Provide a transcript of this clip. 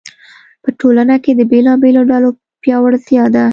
په ټولنه کې د بېلابېلو ډلو پیاوړتیا ده.